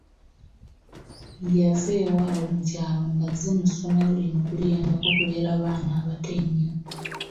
Yava ewaabwe mu kyalo ng’azze mu ssomero lino kuliyambako kulera baana abato ennyo.